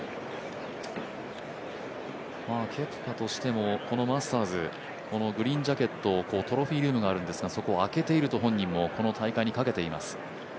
ケプカとしてもこのマスターズ、グリーンジャケット、トロフィールームがあるんですがそこを空けていると本人もこの大会にかけています。